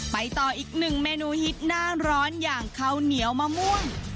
ไปต่ออีกหนึ่งเมนูฮิตหน้าร้อนอย่างข้าวเหนียวมะม่วง